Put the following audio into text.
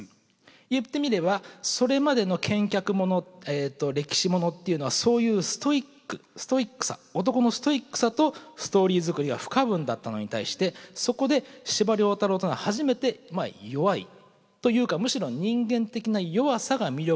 言ってみればそれまでの剣客もの歴史ものっていうのはそういうストイックストイックさ男のストイックさとストーリー作りが不可分だったのに対してそこで司馬太郎というのは初めて弱いというかむしろ人間的な弱さが魅力の主人公というのを造形した。